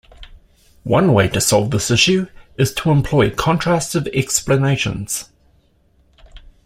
One way to solve this issue is to employ contrastive explanations.